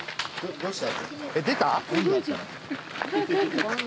どうした？